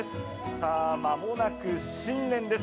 さあ、まもなく新年です。